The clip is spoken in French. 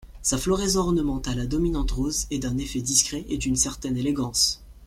Sa floraison ornementale à dominante rose est d’un effet discret et d'une certaine élégance.